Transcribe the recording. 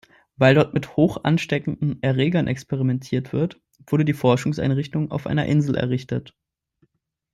Weil dort mit hochansteckenden Erregern experimentiert wird, wurde die Forschungseinrichtung auf einer Insel errichtet.